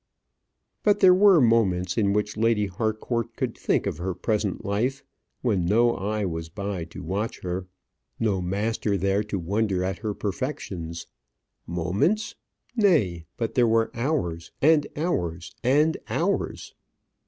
But there were moments in which Lady Harcourt could think of her present life, when no eye was by to watch her no master there to wonder at her perfections. Moments! nay, but there were hours, and hours, and hours.